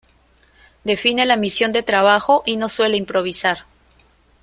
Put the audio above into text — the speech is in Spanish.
Define la misión de trabajo y no suele improvisar.